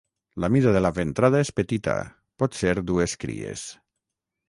La mida de la ventrada és petita, potser dues cries.